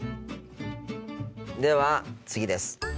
では次です。